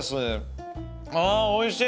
あおいしい！